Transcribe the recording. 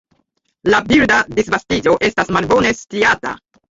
La birda disvastiĝo estas malbone sciata.